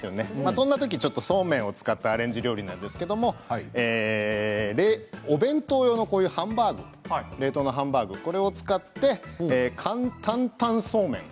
そんな時そうめんを使ったアレンジ料理なんですけれどお弁当用のハンバーグ冷凍のハンバーグ、これを使って簡単タンそうめん。